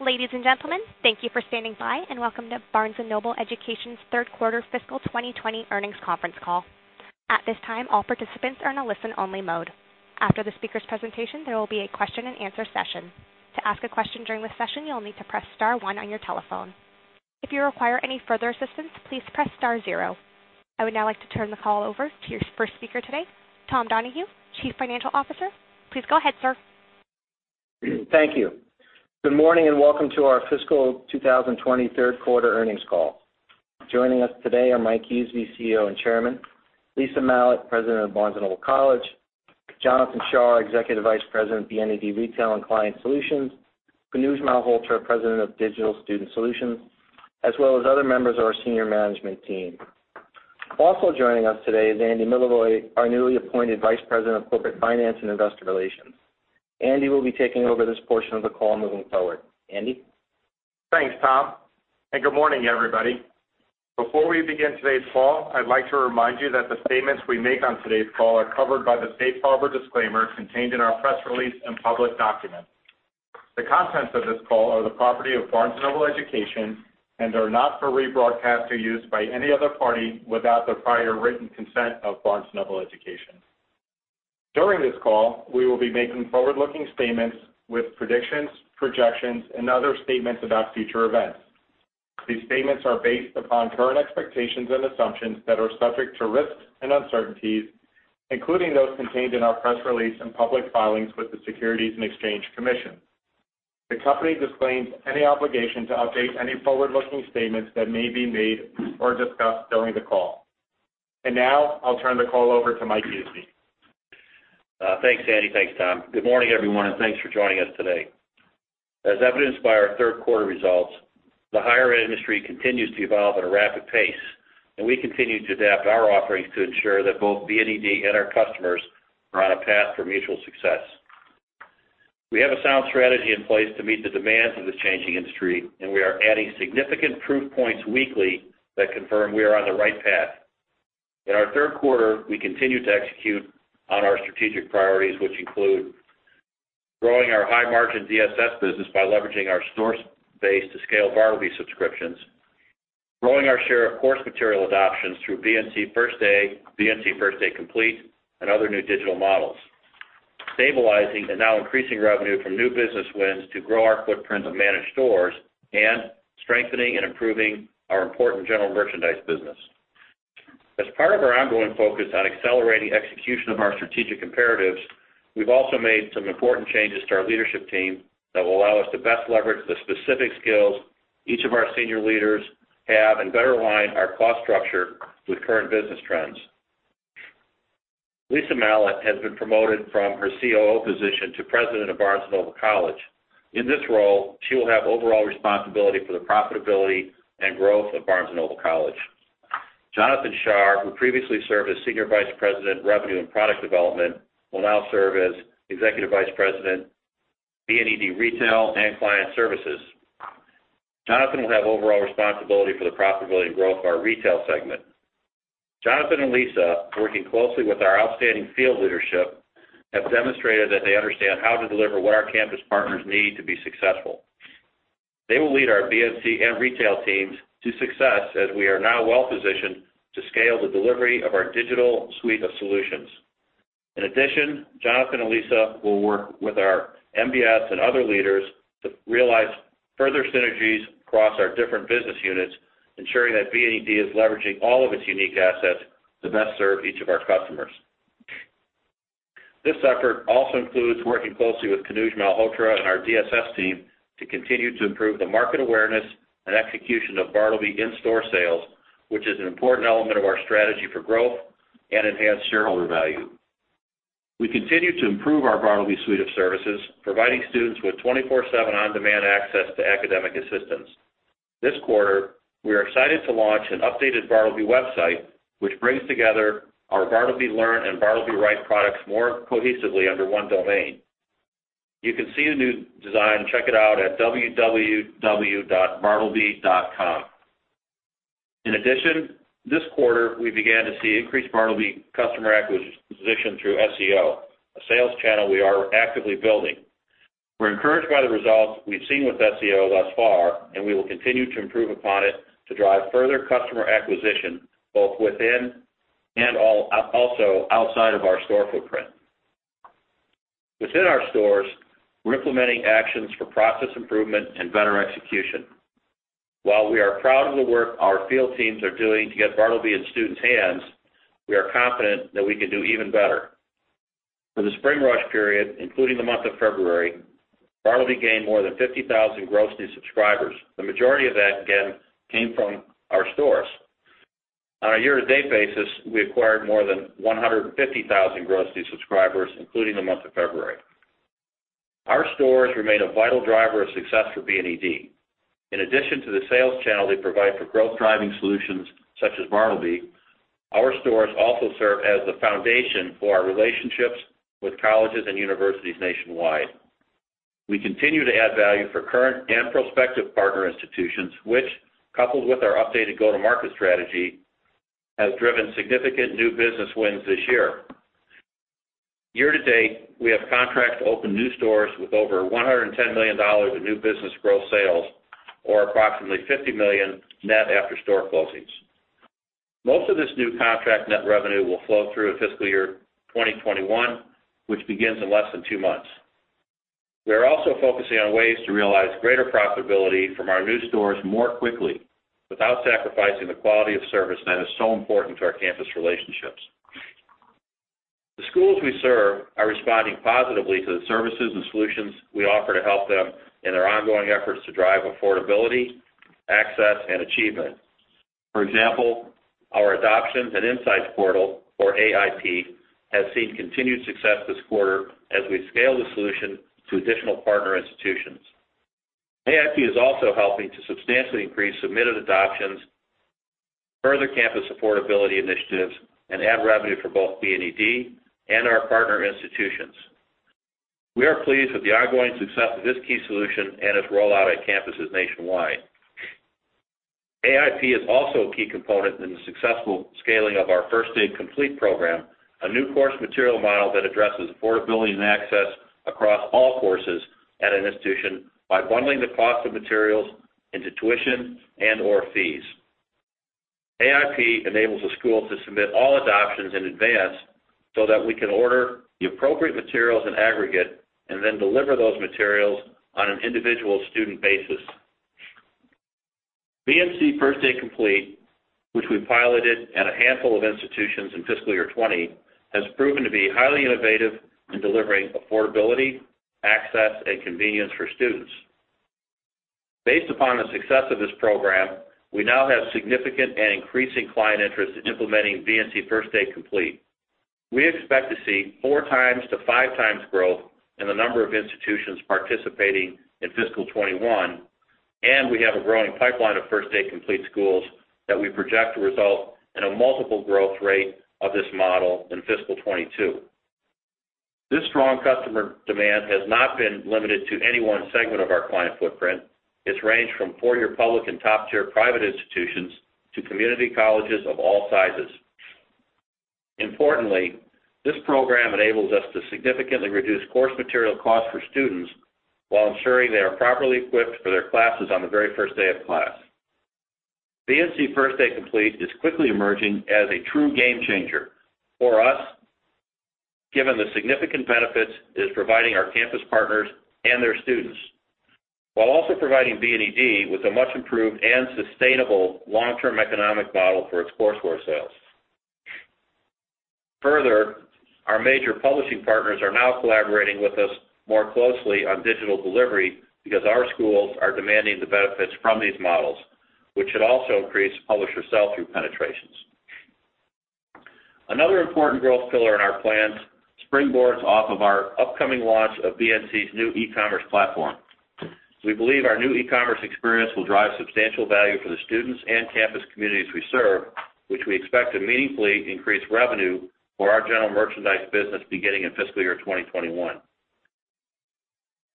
Ladies and gentlemen, thank you for standing by, and welcome to Barnes & Noble Education's third quarter fiscal 2020 earnings conference call. At this time, all participants are in a listen-only mode. After the speaker's presentation, there will be a question and answer session. To ask a question during this session, you'll need to press star one on your telephone. If you require any further assistance, please press star zero. I would now like to turn the call over to your first speaker today, Tom Donohue, Chief Financial Officer. Please go ahead, sir. Thank you. Good morning, welcome to our fiscal 2020 third quarter earnings call. Joining us today are Mike Huseby, CEO and Chairman, Lisa Malat, President of Barnes & Noble College, Jonathan Shar, Executive Vice President, BNED Retail and Client Solutions, Kanuj Malhotra, President of Digital Student Solutions, as well as other members of our senior management team. Also joining us today is Andy Milevoj, our newly appointed Vice President of Corporate Finance and Investor Relations. Andy will be taking over this portion of the call moving forward. Andy? Thanks, Tom, and good morning, everybody. Before we begin today's call, I'd like to remind you that the statements we make on today's call are covered by the safe harbor disclaimer contained in our press release and public documents. The contents of this call are the property of Barnes & Noble Education and are not for rebroadcast or use by any other party without the prior written consent of Barnes & Noble Education. During this call, we will be making forward-looking statements with predictions, projections, and other statements about future events. These statements are based upon current expectations and assumptions that are subject to risks and uncertainties, including those contained in our press release and public filings with the Securities and Exchange Commission. The company disclaims any obligation to update any forward-looking statements that may be made or discussed during the call. Now, I'll turn the call over to Mike Huseby. Thanks, Andy. Thanks, Tom. Good morning, everyone, and thanks for joining us today. As evidenced by our third quarter results, the higher ed industry continues to evolve at a rapid pace, and we continue to adapt our offerings to ensure that both BNED and our customers are on a path for mutual success. We have a sound strategy in place to meet the demands of this changing industry, and we are adding significant proof points weekly that confirm we are on the right path. In our third quarter, we continued to execute on our strategic priorities, which include growing our high-margin DSS business by leveraging our store space to scale bartleby subscriptions, growing our share of course material adoptions through BNC First Day, BNC First Day Complete, and other new digital models, stabilizing and now increasing revenue from new business wins to grow our footprint of managed stores, and strengthening and improving our important general merchandise business. As part of our ongoing focus on accelerating execution of our strategic imperatives, we've also made some important changes to our leadership team that will allow us to best leverage the specific skills each of our senior leaders have and better align our cost structure with current business trends. Lisa Malat has been promoted from her COO position to president of Barnes & Noble College. In this role, she will have overall responsibility for the profitability and growth of Barnes & Noble College. Jonathan Shar, who previously served as Senior Vice President, Revenue and Product Development, will now serve as Executive Vice President, BNED Retail and Client Solutions. Jonathan will have overall responsibility for the profitability and growth of our retail segment. Jonathan and Lisa, working closely with our outstanding field leadership, have demonstrated that they understand how to deliver what our campus partners need to be successful. They will lead our BNC and retail teams to success, as we are now well-positioned to scale the delivery of our digital suite of solutions. In addition, Jonathan and Lisa will work with our MBS and other leaders to realize further synergies across our different business units, ensuring that BNED is leveraging all of its unique assets to best serve each of our customers. This effort also includes working closely with Kanuj Malhotra and our DSS team to continue to improve the market awareness and execution of bartleby in-store sales, which is an important element of our strategy for growth and enhanced shareholder value. We continue to improve our bartleby suite of services, providing students with 24/7 on-demand access to academic assistance. This quarter, we are excited to launch an updated bartleby website, which brings together our bartleby learn and bartleby write products more cohesively under one domain. You can see the new design. Check it out at www.bartleby.com. In addition, this quarter, we began to see increased bartleby customer acquisition through SEO, a sales channel we are actively building. We're encouraged by the results we've seen with SEO thus far, and we will continue to improve upon it to drive further customer acquisition, both within and also outside of our store footprint. Within our stores, we're implementing actions for process improvement and better execution. While we are proud of the work our field teams are doing to get bartleby in students' hands, we are confident that we can do even better. For the Spring Rush period, including the month of February, bartleby gained more than 50,000 gross new subscribers. The majority of that, again, came from our stores. On a year-to-date basis, we acquired more than 150,000 gross new subscribers, including the month of February. Our stores remain a vital driver of success for BNED. In addition to the sales channel they provide for growth-driving solutions such as bartleby, our stores also serve as the foundation for our relationships with colleges and universities nationwide. We continue to add value for current and prospective partner institutions, which, coupled with our updated go-to-market strategy, has driven significant new business wins this year. Year-to-date, we have contracts to open new stores with over $110 million of new business growth sales or approximately $50 million net after store closings. Most of this new contract net revenue will flow through in fiscal year 2021, which begins in less than two months. We are also focusing on ways to realize greater profitability from our new stores more quickly without sacrificing the quality of service that is so important to our campus relationships. The schools we serve are responding positively to the services and solutions we offer to help them in their ongoing efforts to drive affordability, access, and achievement. For example, our Adoptions and Insights Portal, or AIP, has seen continued success this quarter as we scale the solution to additional partner institutions. AIP is also helping to substantially increase submitted adoptions, further campus affordability initiatives, and add revenue for both BNED and our partner institutions. We are pleased with the ongoing success of this key solution and its rollout at campuses nationwide. AIP is also a key component in the successful scaling of our First Day Complete program, a new course material model that addresses affordability and access across all courses at an institution by bundling the cost of materials into tuition and/or fees. AIP enables a school to submit all adoptions in advance so that we can order the appropriate materials in aggregate and then deliver those materials on an individual student basis. BNC First Day Complete, which we piloted at a handful of institutions in fiscal year 2020, has proven to be highly innovative in delivering affordability, access, and convenience for students. Based upon the success of this program, we now have significant and increasing client interest in implementing BNC First Day Complete. We expect to see 4x-5x growth in the number of institutions participating in fiscal 2021, and we have a growing pipeline of First Day Complete schools that we project to result in a multiple growth rate of this model in fiscal 2022. This strong customer demand has not been limited to any one segment of our client footprint. It's ranged from four-year public and top-tier private institutions to community colleges of all sizes. Importantly, this program enables us to significantly reduce course material costs for students while ensuring they are properly equipped for their classes on the very first day of class. BNC First Day Complete is quickly emerging as a true game changer for us, given the significant benefits it is providing our campus partners and their students, while also providing BNED with a much-improved and sustainable long-term economic model for its courseware sales. Further, our major publishing partners are now collaborating with us more closely on digital delivery because our schools are demanding the benefits from these models, which should also increase publisher sell-through penetrations. Another important growth pillar in our plans springboards off of our upcoming launch of BNC's new e-commerce platform. We believe our new e-commerce experience will drive substantial value for the students and campus communities we serve, which we expect to meaningfully increase revenue for our general merchandise business beginning in fiscal year 2021.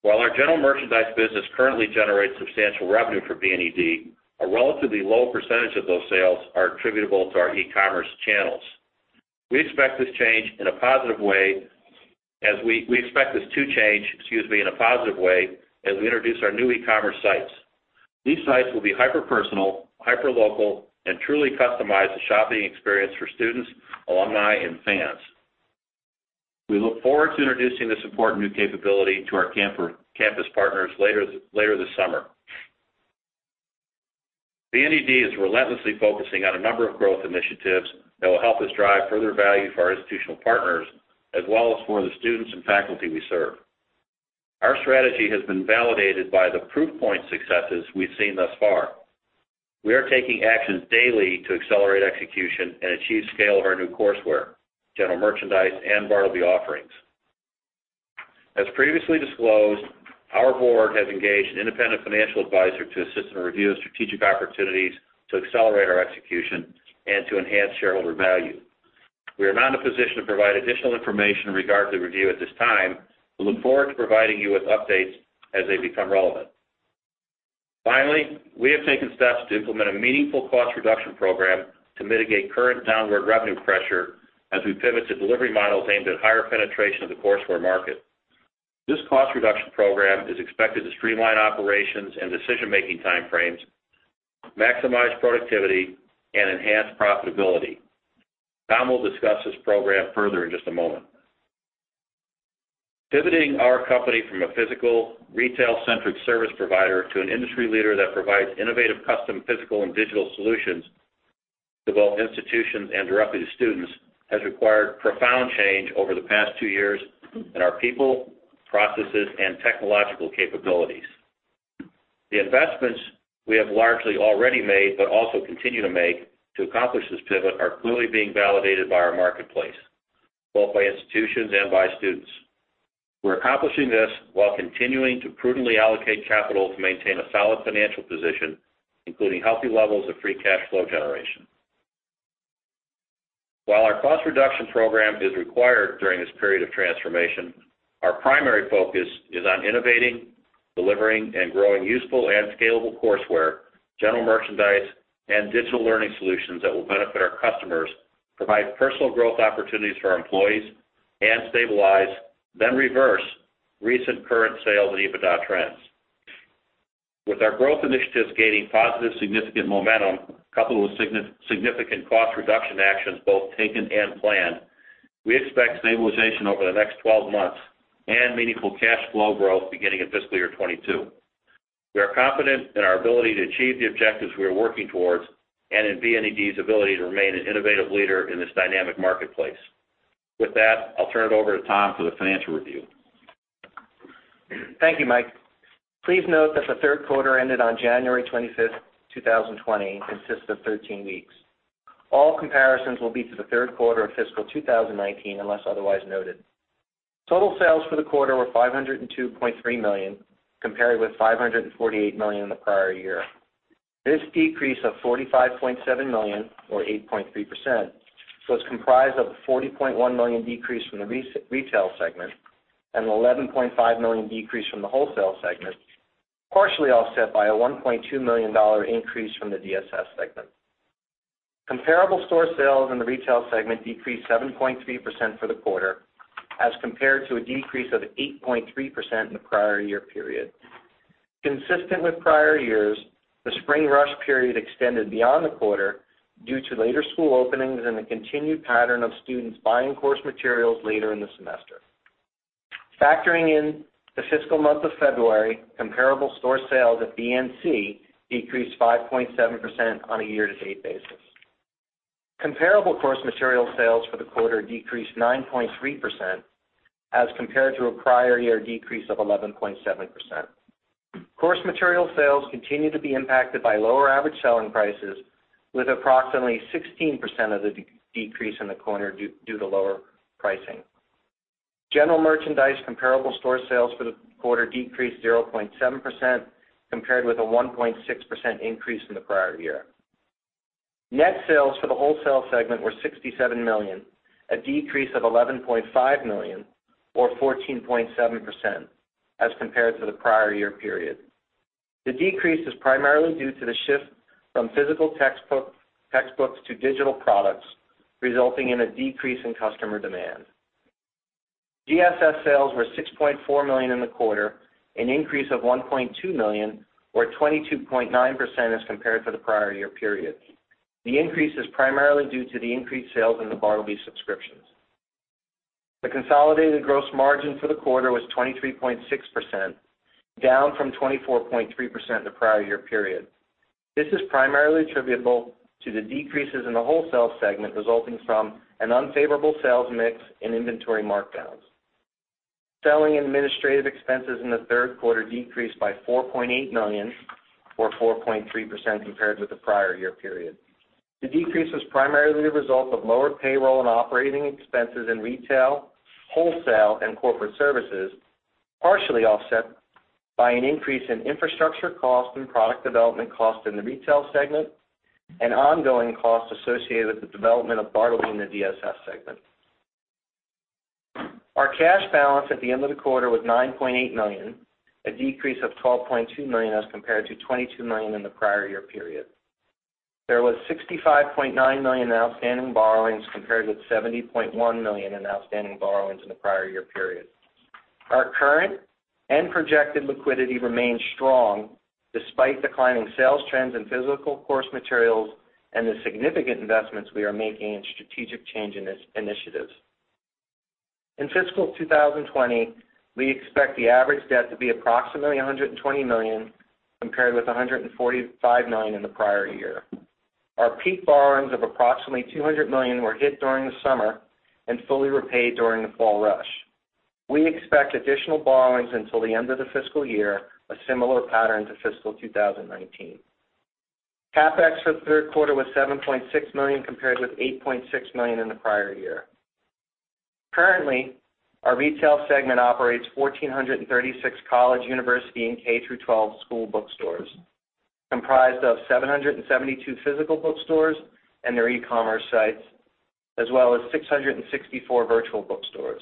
While our general merchandise business currently generates substantial revenue for BNED, a relatively low percentage of those sales are attributable to our e-commerce channels. We expect this change in a positive way, as we, we expect this to change, excuse me, in a positive way as we introduce our new e-commerce sites. These sites will be hyper-personal, hyper-local, and truly customize the shopping experience for students, alumni, and fans. We look forward to introducing this important new capability to our campus partners later this summer. BNED is relentlessly focusing on a number of growth initiatives that will help us drive further value for our institutional partners, as well as for the students and faculty we serve. Our strategy has been validated by the proof-point successes we've seen thus far. We are taking actions daily to accelerate execution and achieve scale of our new courseware, general merchandise, and bartleby offerings. As previously disclosed, our board has engaged an independent financial advisor to assist and review strategic opportunities to accelerate our execution and to enhance shareholder value. We are not in a position to provide additional information in regard to the review at this time, but look forward to providing you with updates as they become relevant. Finally, we have taken steps to implement a meaningful cost reduction program to mitigate current downward revenue pressure as we pivot to delivery models aimed at higher penetration of the courseware market. This cost reduction program is expected to streamline operations and decision-making time frames, maximize productivity, and enhance profitability. Tom will discuss this program further in just a moment. Pivoting our company from a physical, retail-centric service provider to an industry leader that provides innovative custom physical and digital solutions to both institutions and directly to students has required profound change over the past two years in our people, processes, and technological capabilities. The investments we have largely already made but also continue to make to accomplish this pivot are clearly being validated by our marketplace, both by institutions and by students. We're accomplishing this while continuing to prudently allocate capital to maintain a solid financial position, including healthy levels of free cash flow generation. While our cost reduction program is required during this period of transformation, our primary focus is on innovating, delivering and growing useful and scalable courseware, general merchandise, and digital learning solutions that will benefit our customers, provide personal growth opportunities for our employees, and stabilize, then reverse recent current sales and EBITDA trends. With our growth initiatives gaining positive significant momentum, coupled with significant cost reduction actions both taken and planned, we expect stabilization over the next 12 months and meaningful cash flow growth beginning in fiscal year 2022. We are confident in our ability to achieve the objectives we are working towards and in BNED's ability to remain an innovative leader in this dynamic marketplace. With that, I'll turn it over to Tom for the financial review. Thank you, Mike. Please note that the third quarter ended on January 25th, 2020, consists of 13 weeks. All comparisons will be to the third quarter of fiscal 2019 unless otherwise noted. Total sales for the quarter were $502.3 million, compared with $548 million in the prior year. This decrease of $45.7 million, or 8.3%, was comprised of a $40.1 million decrease from the retail segment and an $11.5 million decrease from the wholesale segment, partially offset by a $1.2 million increase from the DSS segment. Comparable store sales in the retail segment decreased 7.3% for the quarter as compared to a decrease of 8.3% in the prior year period. Consistent with prior years, the spring rush period extended beyond the quarter due to later school openings and a continued pattern of students buying course materials later in the semester. Factoring in the fiscal month of February, comparable store sales at BNC decreased 5.7% on a year-to-date basis. Comparable course material sales for the quarter decreased 9.3% as compared to a prior year decrease of 11.7%. Course material sales continue to be impacted by lower average selling prices with approximately 16% of the decrease in the quarter due to lower pricing. General merchandise comparable store sales for the quarter decreased 0.7%, compared with a 1.6% increase in the prior year. Net sales for the wholesale segment were $67 million, a decrease of $11.5 million or 14.7% as compared to the prior year period. The decrease is primarily due to the shift from physical textbook, textbooks to digital products, resulting in a decrease in customer demand. DSS sales were $6.4 million in the quarter, an increase of $1.2 million or 22.9% as compared to the prior year period. The increase is primarily due to the increased sales in the bartleby subscriptions. The consolidated gross margin for the quarter was 23.6%, down from 24.3% in the prior year period. This is primarily attributable to the decreases in the wholesale segment, resulting from an unfavorable sales mix and inventory markdowns. Selling administrative expenses in the third quarter decreased by $4.8 million or 4.3% compared with the prior year period. The decrease was primarily the result of lower payroll and operating expenses in retail, wholesale, and corporate services, partially offset by an increase in infrastructure cost and product development cost in the retail segment and ongoing costs associated with the development of bartleby in the DSS segment. Our cash balance at the end of the quarter was $9.8 million, a decrease of $12.2 million as compared to $22 million in the prior year period. There was $65.9 million in outstanding borrowings compared with $70.1 million in outstanding borrowings in the prior year period. Our current and projected liquidity remains strong despite declining sales trends in physical course materials and the significant investments we are making in strategic change initiatives. In fiscal 2020, we expect the average debt to be approximately $120 million compared with $145 million in the prior year. Our peak borrowings of approximately $200 million were hit during the summer and fully repaid during the fall rush. We expect additional borrowings until the end of the fiscal year, a similar pattern to fiscal 2019. CapEx for the third quarter was $7.6 million, compared with $8.6 million in the prior year. Currently, our retail segment operates 1,436 college, university, and K-12 school bookstores, comprised of 772 physical bookstores and their e-commerce sites, as well as 664 virtual bookstores.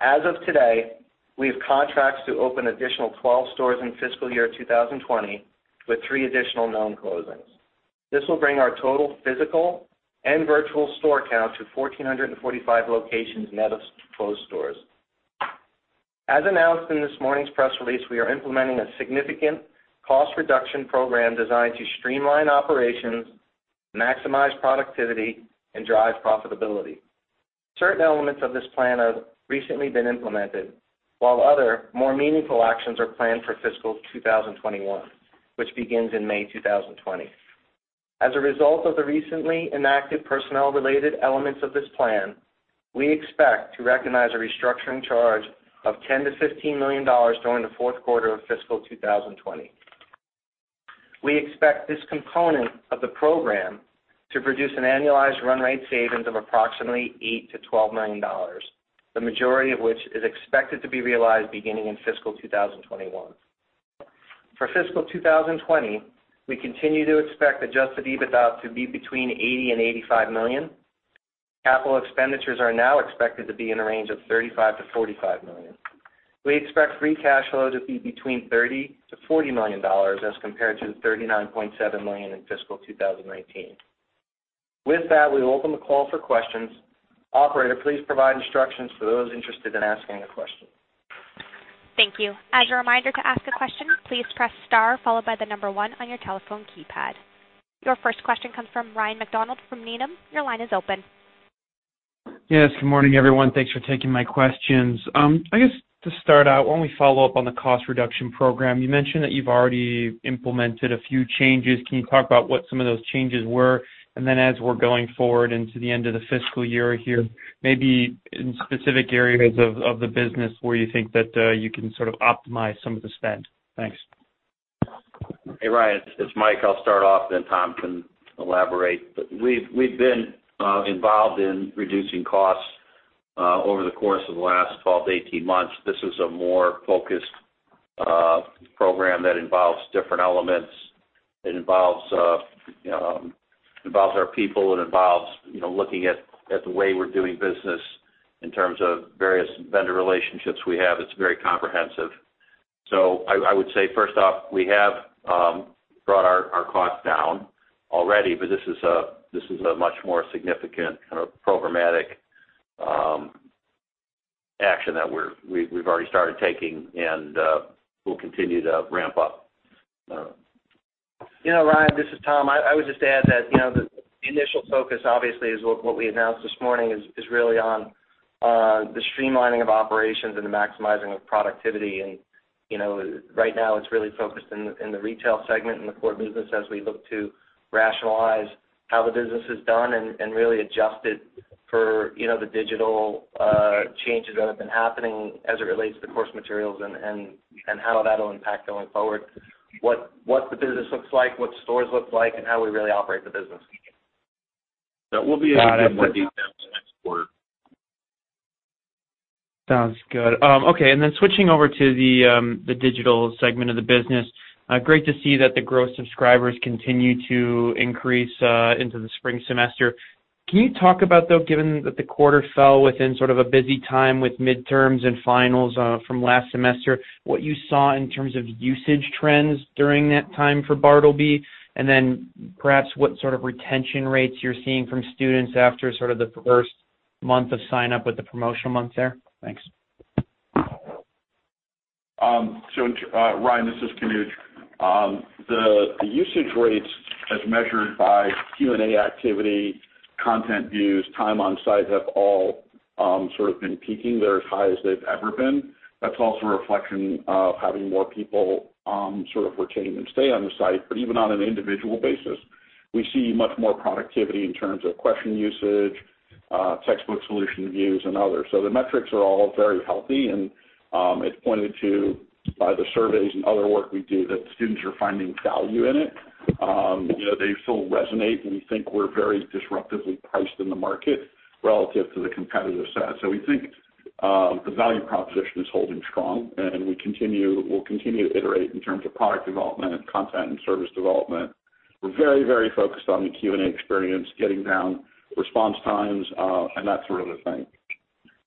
As of today, we have contracts to open additional 12 stores in fiscal year 2020 with three additional known closings. This will bring our total physical and virtual store count to 1,445 locations net of closed stores. As announced in this morning's press release, we are implementing a significant cost reduction program designed to streamline operations, maximize productivity, and drive profitability. Certain elements of this plan have recently been implemented, while other more meaningful actions are planned for fiscal 2021, which begins in May 2020. As a result of the recently enacted personnel-related elements of this plan, we expect to recognize a restructuring charge of $10 million-$15 million during the fourth quarter of fiscal 2020. We expect this component of the program to produce an annualized run rate savings of approximately $8 million-$12 million, the majority of which is expected to be realized beginning in fiscal 2021. For fiscal 2020, we continue to expect adjusted EBITDA to be between $80 million and $85 million. Capital expenditures are now expected to be in the range of $35 million-$45 million. We expect free cash flow to be between $30 million-$40 million as compared to the $39.7 million in fiscal 2019. With that, we open the call for questions. Operator, please provide instructions for those interested in asking a question. Thank you. As a reminder, to ask a question, please press star followed by the number one on your telephone keypad. Your first question comes from Ryan MacDonald from Needham. Your line is open. Yes. Good morning, everyone. Thanks for taking my questions. I guess to start out, why don't we follow up on the cost reduction program. You mentioned that you've already implemented a few changes. Can you talk about what some of those changes were? As we're going forward into the end of the fiscal year here, maybe in specific areas of the business where you think that you can sort of optimize some of the spend. Thanks. Hey, Ryan. It's Mike. I'll start off, then Tom can elaborate. We've been involved in reducing costs over the course of the last 12-18 months. This is a more focused program that involves different elements. It involves our people. It involves looking at the way we're doing business in terms of various vendor relationships we have. It's very comprehensive. I would say, first off, we have brought our costs down already, but this is a much more significant kind of programmatic action that we've already started taking and we'll continue to ramp up. Ryan, this is Tom. I would just add that the initial focus, obviously, as what we announced this morning, is really on the streamlining of operations and the maximizing of productivity. Right now it's really focused in the retail segment, in the core business, as we look to rationalize how the business is done and really adjust it for the digital changes that have been happening as it relates to course materials and how that'll impact going forward, what the business looks like, what stores look like, and how we really operate the business. We'll be able to give more details next quarter. Sounds good. Okay. Switching over to the digital segment of the business. Great to see that the gross subscribers continue to increase into the spring semester. Can you talk about, though, given that the quarter fell within sort of a busy time with midterms and finals from last semester, what you saw in terms of usage trends during that time for bartleby? Perhaps what sort of retention rates you're seeing from students after sort of the first month of sign-up with the promotional month there? Thanks. Ryan, this is Kanuj. The usage rates as measured by Q&A activity, content views, time on site have all sort of been peaking. They're as high as they've ever been. That's also a reflection of having more people sort of retain and stay on the site. Even on an individual basis, we see much more productivity in terms of question usage, textbook solution views, and others. The metrics are all very healthy, and it's pointed to by the surveys and other work we do that students are finding value in it. They still resonate, and we think we're very disruptively priced in the market relative to the competitive set. We think the value proposition is holding strong, and we'll continue to iterate in terms of product development and content and service development. We're very very focused on the Q&A experience, getting down response times and that sort of a thing.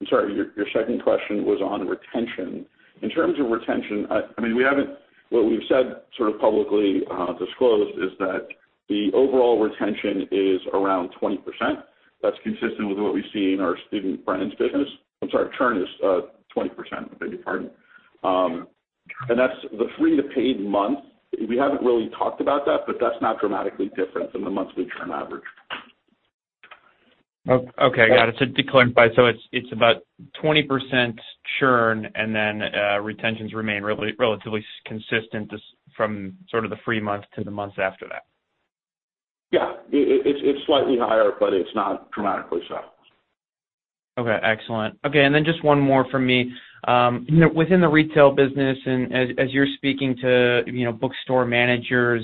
I'm sorry, your second question was on retention. In terms of retention, what we've said, sort of publicly disclosed, is that the overall retention is around 20%. That's consistent with what we see in our Student Brands business. I'm sorry, churn is 20%. I beg your pardon. That's the free to paid month. We haven't really talked about that, but that's not dramatically different than the monthly churn average. Okay. Got it. To clarify, so it's about 20% churn, and then retentions remain relatively consistent from sort of the free month to the months after that. Yeah. It's slightly higher, but it's not dramatically so. Okay, excellent. Then just one more from me. Within the retail business, as you're speaking to bookstore managers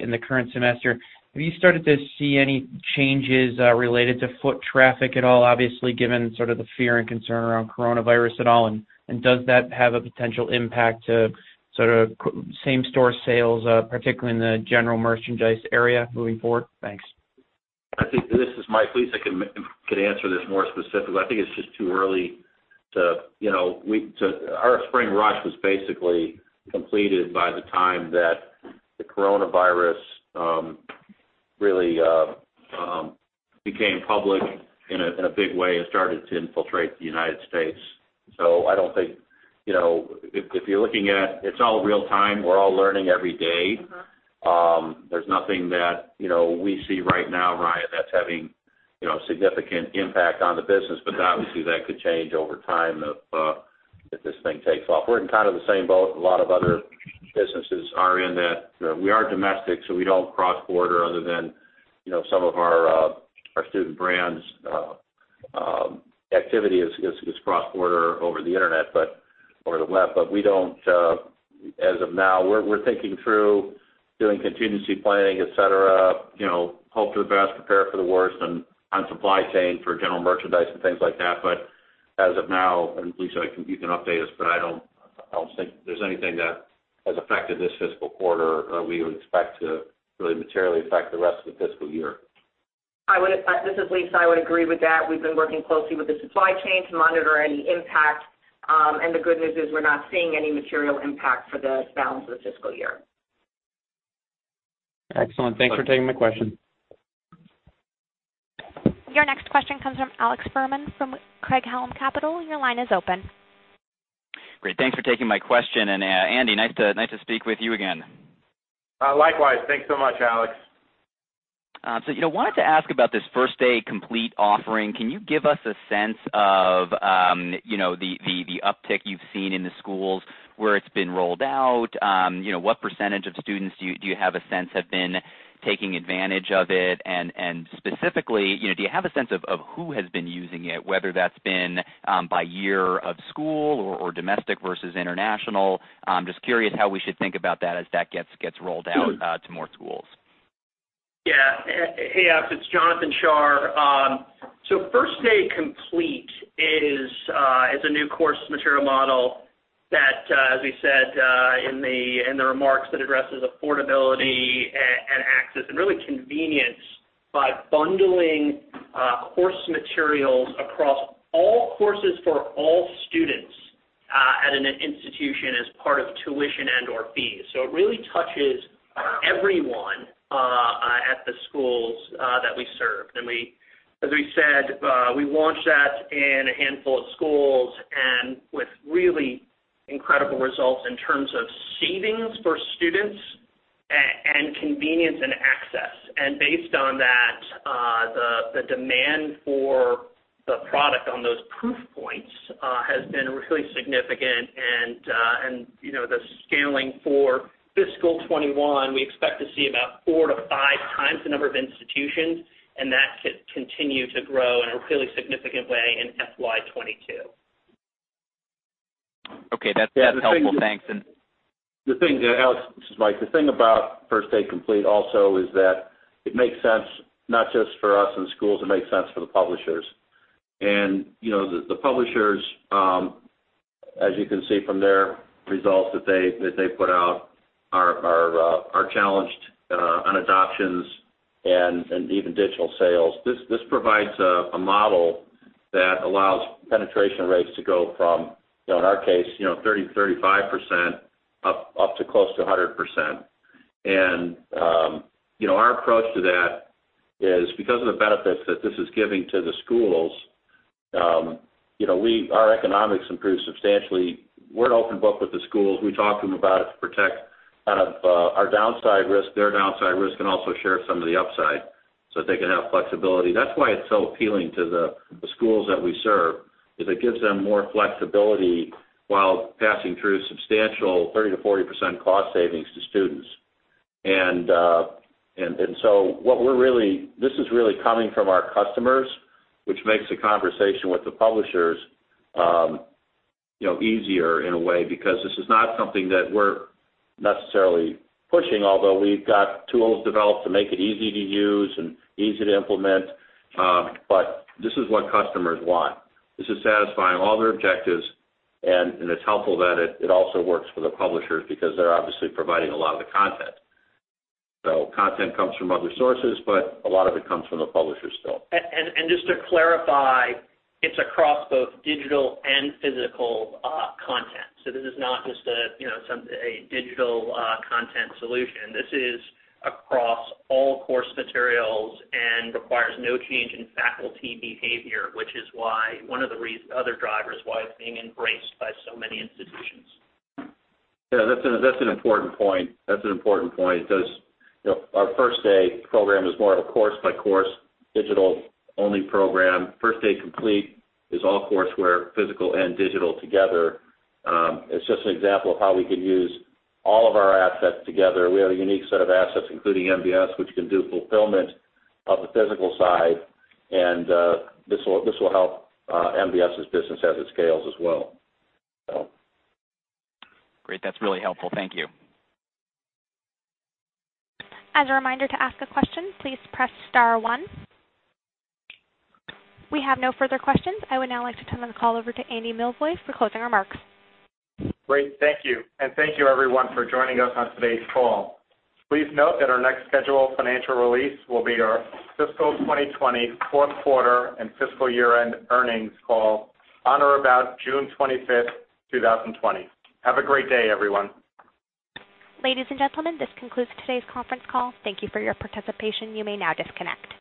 in the current semester, have you started to see any changes related to foot traffic at all, obviously, given sort of the fear and concern around coronavirus at all? Does that have a potential impact to sort of same-store sales, particularly in the general merchandise area moving forward? Thanks. I think, this is Mike, Lisa could answer this more specifically. I think it's just too early. Our spring rush was basically completed by the time that the coronavirus really became public in a big way and started to infiltrate the U.S. I don't think, if you're looking at it's all real-time. We're all learning every day. There's nothing that we see right now, Ryan, that's having significant impact on the business. Obviously, that could change over time if this thing takes off. We're in kind of the same boat a lot of other businesses are in that we are domestic, so we don't cross border other than some of our Student Brands activity is cross-border over the internet, but we don't as of now. We're thinking through doing contingency planning, et cetera. Hope for the best, prepare for the worst on supply chain for general merchandise and things like that. As of now, and Lisa, you can update us, but I don't think there's anything that has affected this fiscal quarter or we would expect to really materially affect the rest of the fiscal year. This is Lisa. I would agree with that. We've been working closely with the supply chain to monitor any impact. The good news is we're not seeing any material impact for the balance of the fiscal year. Excellent. Thanks for taking my question. Your next question comes from Alex Fuhrman from Craig-Hallum Capital. Your line is open. Great. Thanks for taking my question. Andy, nice to speak with you again. Likewise. Thanks so much, Alex. Wanted to ask about this First Day Complete offering. Can you give us a sense of the uptick you've seen in the schools where it's been rolled out? What percentage of students, do you have a sense, have been taking advantage of it? Specifically, do you have a sense of who has been using it, whether that's been by year of school or domestic versus international? I'm just curious how we should think about that as that gets rolled out to more schools. Yeah. Hey, Alex, it's Jonathan Shar. First Day Complete is a new course material model that, as we said in the remarks, that addresses affordability and access and really convenience by bundling course materials across all courses for all students at an institution as part of tuition and/or fees. It really touches everyone at the schools that we serve. As we said, we launched that in a handful of schools and with really incredible results in terms of savings for students and convenience and access. Based on that, the demand for the product on those proof points has been really significant. The scaling for fiscal 2021, we expect to see about four to five times the number of institutions, and that should continue to grow in a really significant way in FY 2022. Okay, that's helpful. Thanks. Alex, this is Mike. The thing about First Day Complete also is that it makes sense not just for us and the schools, it makes sense for the publishers. The publishers, as you can see from their results that they put out, are challenged on adoptions and even digital sales. This provides a model that allows penetration rates to go from, in our case, 30%, 35% up to close to 100%. Our approach to that is because of the benefits that this is giving to the schools, our economics improve substantially. We're an open book with the schools. We talk to them about it to protect our downside risk, their downside risk, and also share some of the upside so that they can have flexibility. That's why it's so appealing to the schools that we serve, is it gives them more flexibility while passing through substantial 30%-40% cost savings to students. What we're really, this is really coming from our customers, which makes the conversation with the publishers easier in a way because this is not something that we're necessarily pushing, although we've got tools developed to make it easy to use and easy to implement. This is what customers want. This is satisfying all their objectives, and it's helpful that it also works for the publishers because they're obviously providing a lot of the content. Content comes from other sources, but a lot of it comes from the publishers still. Just to clarify, it's across both digital and physical content. This is not just a digital content solution. This is across all course materials and requires no change in faculty behavior, which is one of the other drivers why it's being embraced by so many institutions. Yeah, that's an important point. That's an important point. Our First Day program is more a course-by-course digital-only program. First Day Complete is all courseware, physical and digital together. It's just an example of how we can use all of our assets together. We have a unique set of assets, including MBS, which can do fulfillment of the physical side, and this will help MBS's business as it scales as well. Great. That's really helpful. Thank you. As a reminder to ask a question, please press star one. We have no further questions. I would now like to turn the call over to Andy Milevoj for closing remarks. Great. Thank you. Thank you, everyone, for joining us on today's call. Please note that our next scheduled financial release will be our fiscal 2020 fourth quarter and fiscal year-end earnings call on or about June 25th, 2020. Have a great day, everyone. Ladies and gentlemen, this concludes today's conference call. Thank you for your participation. You may now disconnect.